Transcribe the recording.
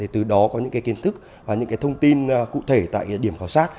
từ đó có những kiến thức và những thông tin cụ thể tại điểm khảo sát